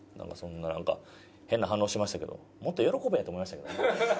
なんか変な反応してましたけどもっと喜べと思いましたけどね。